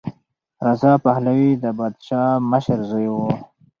رضا پهلوي د پادشاه مشر زوی و.